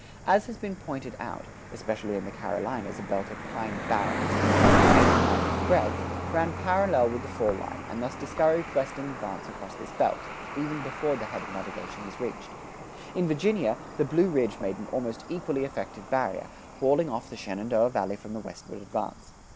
As has been pointed out, especially in the Carolinas a belt of pine barrens, roughly eighty miles in breadth, ran parallel with the fall line and thus discouraged western advance across this belt, even before the head of navigation was reached. In Virginia, the Blue Ridge made an almost equally effective barrier, walling off the Shenandoah Valley from the westward advance.